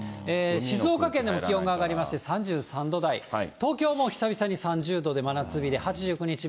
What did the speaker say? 静岡県でも気温が上がりまして、３３度台、東京も久々に３０度で真夏日で、８９日目。